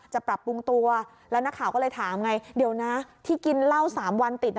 ปรับปรุงตัวแล้วนักข่าวก็เลยถามไงเดี๋ยวนะที่กินเหล้า๓วันติด